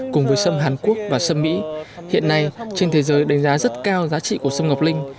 cùng với sâm hàn quốc và sâm mỹ hiện nay trên thế giới đánh giá rất cao giá trị của sâm ngọc linh